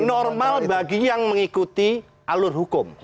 normal bagi yang mengikuti alur hukum